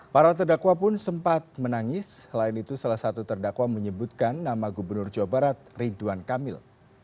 para terdakwa pun sempat menangis lain itu salah satu terdakwa menyebutkan nama gubernur jawa barat ridwan kamil